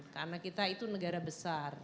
karena kita itu negara besar